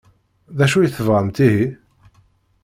D acu i tebɣamt ihi?